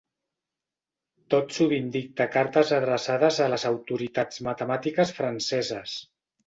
Tot sovint dicta cartes adreçades a les autoritats matemàtiques franceses.